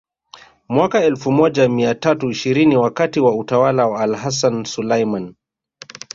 Mwaka elfu moja mia tatu ishirini wakati wa utawala wa AlHassan Sulaiman